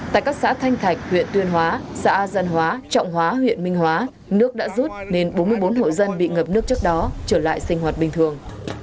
tại các xã thanh thạch huyện tuyên hóa xã dân hóa trọng hóa huyện minh hóa nước đã rút nên bốn mươi bốn hộ dân bị ngập nước trước đó trở lại sinh hoạt bình thường